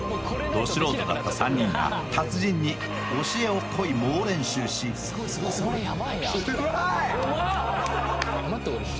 ド素人だった３人が達人に教えを請い猛練習しうまい！